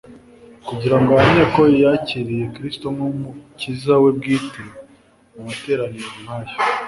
kugira ngo ahamye ko yakiriye Kristo nk'Umukiza we bwite. Mu materaniro nk'ayo,